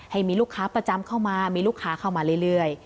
ให้มีลูกค้าประจำเข้ามามีลูกค้าเข้ามาเรื่อย